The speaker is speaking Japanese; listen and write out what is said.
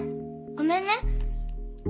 ごめんね。